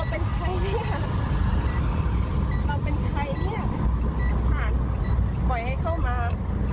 ปล่อยให้เข้ามา